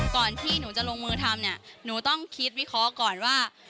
ก่อนที่หนูจะลงมือทำเนี่ยหนูต้องคิดวิเคราะห์ก่อนว่า